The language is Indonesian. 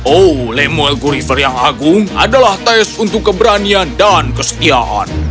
oh lemuel gurifer yang agung adalah tes untuk keberanian dan kesetiaan